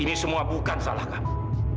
ini semua bukan salah kami